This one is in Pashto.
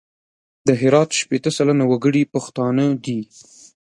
د هرات شپېته سلنه وګړي پښتانه دي.